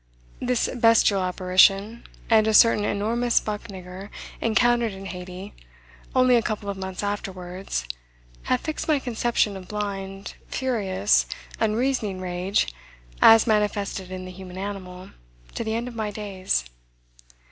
This bestial apparition and a certain enormous buck nigger encountered in Haiti only a couple of months afterwards, have fixed my conception of blind, furious, unreasoning rage, as manifested in the human animal, to the end of my days.